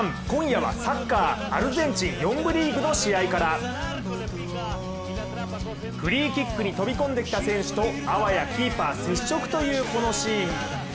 今夜はサッカーアルゼンチン４部リーグの試合からフリーキックに飛び込んできた選手とあわやキーパー接触というこのシーン。